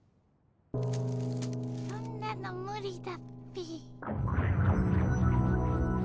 そんなのむりだっピ。